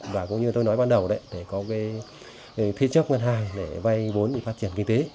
và cũng như tôi nói ban đầu đấy để có cái thi chấp ngân hài để vay bốn để phát triển kinh tế